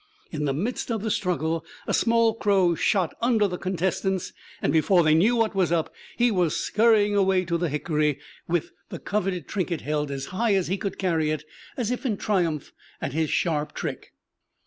In the midst of the struggle a small crow shot under the contestants, and before they knew what was up he was scurrying away to the hickory with the coveted trinket held as high as he could carry it, as if in triumph at his sharp trick.